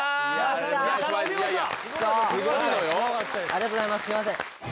ありがとうございますすいません